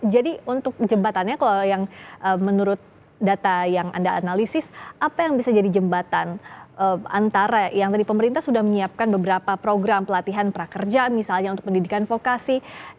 jadi untuk jembatannya kalau yang menurut data yang anda analisis apa yang bisa jadi jembatan antara yang tadi pemerintah sudah menyiapkan beberapa program pelatihan prakerja misalnya untuk pendidikan vokasi